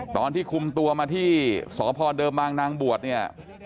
ตอนที่คุมตัวมาที่สพเดิมบางนางบวชเนี่ย